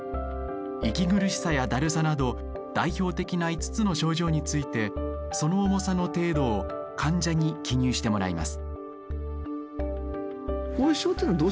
息苦しさやだるさなど代表的な５つの症状についてその重さの程度を患者に記入してもらいます。